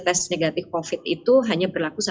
tes negatif covid itu hanya berlaku